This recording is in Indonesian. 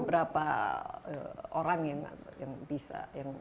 berapa orang yang bisa yang diperlukan untuk mengerjakan